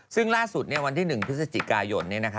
ซึ่งล่าสุดวันที่๑พฤศจิกายน